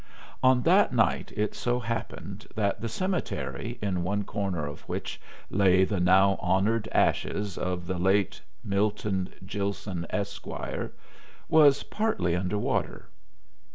On that night it so happened that the cemetery in one corner of which lay the now honored ashes of the late Milton Gilson, Esq., was partly under water.